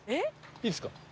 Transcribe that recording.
いいですか？